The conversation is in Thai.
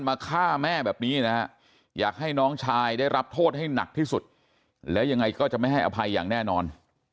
มาฆ่าแม่แบบนี้นะฮะอยากให้น้องชายได้รับโทษให้หนักที่สุดแล้วยังไงก็จะไม่ให้อภัยอย่างแน่นอน